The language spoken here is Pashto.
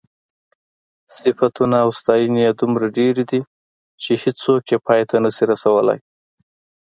صفتونه او ستاینې یې دومره ډېرې دي چې هېڅوک یې پای ته نشي رسولی.